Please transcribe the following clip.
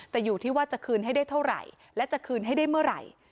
แต่อยู่ที่ว่าจะคืนให้ได้เท่าไหร่และจะคืนให้ได้เมื่อไหร่